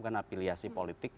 karena afiliasi politiknya